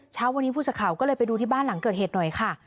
เช้าวันนี้ผู้สื่อข่าวก็เลยไปดูที่บ้านหลังเกิดเหตุหน่อยค่ะ